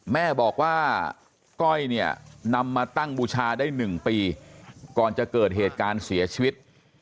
แม่บอกว่าก้อยเนี่ยนำมาตั้งบูชาได้๑ปีก่อนจะเกิดเหตุการณ์เสียชีวิต